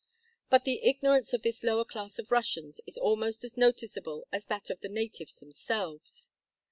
But the ignorance of this lower class of Russians is almost as noticeable as that of the natives themselves.